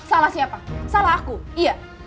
salah siapa salah aku iya